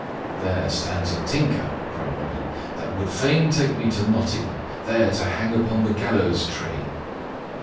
"There stands a tinker," quoth Robin, "that would fain take me to Nottingham, there to hang upon the gallows tree."